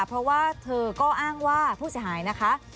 เพราะว่าเธอก็อ้างว่าผู้เสียหายนะคะ